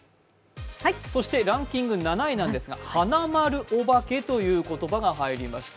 ランキング７位なんですが、「はなまるおばけ」という言葉が入りました。